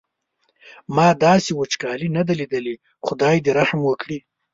ما داسې وچکالي نه ده لیدلې خدای دې رحم وکړي.